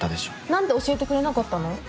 何で教えてくれなかったの。